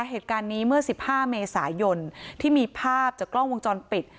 เหตุการณ์นี้เมื่อ๑๕เมษายนที่มีภาพจากกล้องวงจรปิด